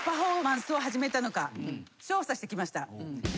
調査してきました。